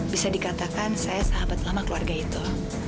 bisa dikatakan saya sahabat lama keluarga itu